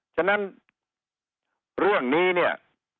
ฉะนั้นเรื่องนี้เนี่ย